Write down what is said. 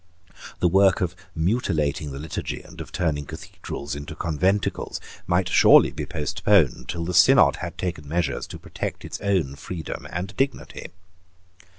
The work of mutilating the Liturgy and of turning cathedrals into conventicles might surely be postponed till the Synod had taken measures to protect its own freedom and dignity.